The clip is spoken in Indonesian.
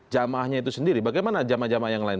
jamahnya itu sendiri bagaimana jamah jamah yang lain